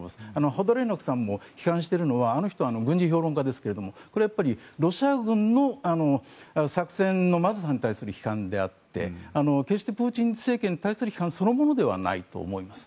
ホダレノクさんも批判しているのはあの人は軍事評論家ですがロシア軍の作戦のまずさに対する批判であって決してプーチン政権に対する批判そのものではないと思います。